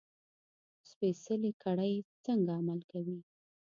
سپېڅلې کړۍ څنګه عمل کوي.